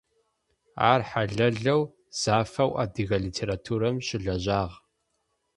Ар хьалэлэу, зафэу адыгэ литературэм щылэжьагъ.